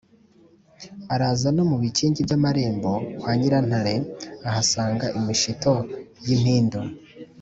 araza no mu bikingi by'amarembo kwa nyirantare, ahasanga imishito y' impindu